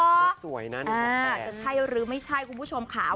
เลขสวยนั่น๑๖๘จะใช่หรือไม่ใช่คุณผู้ชมค่ะ